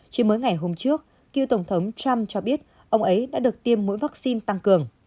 chỉ mới ngày hôm trước cựu tổng thống trump cho biết ông ấy đã được tiêm mỗi vaccine tăng cường